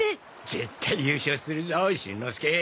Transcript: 絶対優勝するぞしんのすけ。